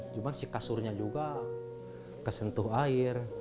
cuman si kasurnya juga kesentuh air